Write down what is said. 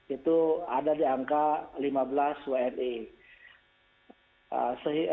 itu ada di angka lima belas wni